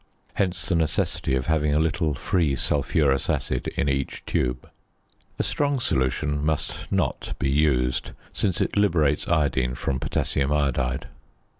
Hence the necessity of having a little free sulphurous acid in each tube. A strong solution must not be used, since it liberates iodine from potassium iodide.